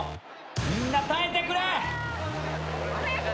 みんな耐えてくれ！